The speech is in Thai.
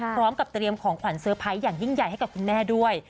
พร้อมกับเตรียมของขวัญเซอร์ไพรส์อย่างยิ่งใหญ่ให้กับคุณแม่ด้วย